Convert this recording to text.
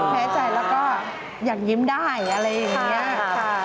แพ้ใจแล้วก็อยากยิ้มได้อะไรอย่างนี้ค่ะ